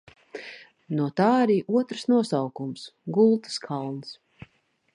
"No tā arī otrs nosaukums "Gultas kalns"."